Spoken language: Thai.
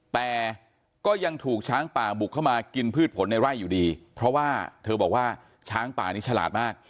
แต่ก็ยังถูกช้างป่าบุกเข้ามากินพืชผลในไร่อยู่ดีเพราะว่าเธอบอกว่าช้างป่านี้ฉลาดมาก